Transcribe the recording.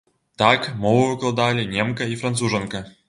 Так мову выкладалі немка і францужанка.